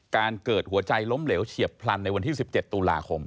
เกิดหัวใจล้มเหลวเฉียบพลันในวันที่๑๗ตุลาคม